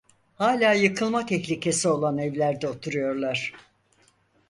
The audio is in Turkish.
Hala yıkılma tehlikesi olan evlerde oturuyorlar.